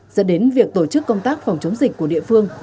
dẫn đến việc tổ chức công tác phòng chống dịch của địa phương